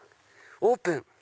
オープン。